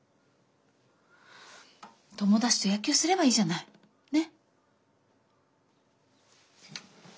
友達と野球すればいいじゃないね？